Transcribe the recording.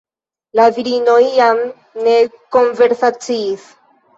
La virinoj jam ne konversaciis.